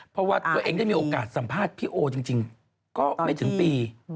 เพราะว่าตัวเองได้มีโอกาสสัมภาษณ์พี่โอจริงก็ไม่ถึงปี